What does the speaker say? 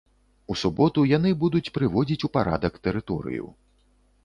У суботу яны будуць прыводзіць у парадак тэрыторыю.